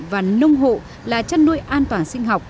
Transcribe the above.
và nông hộ là chăn nuôi an toàn sinh học